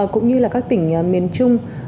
cũng như là các tỉnh miền trung